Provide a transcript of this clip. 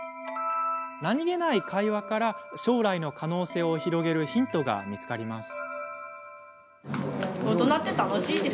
何気ない会話から将来の可能性を広げるヒントが見つかります。